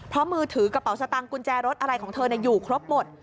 เพราะมือถือกระเป๋าสตังค์กุญแจรถอะไรของเธออยู่ครบหมด